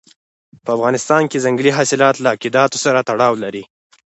په افغانستان کې ځنګلي حاصلات له اعتقاداتو سره تړاو لري.